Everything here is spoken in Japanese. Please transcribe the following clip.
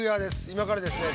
今からですね